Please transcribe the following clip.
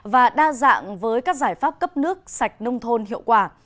và đa dạng với các giải pháp cấp nước sạch nông thôn hiệu quả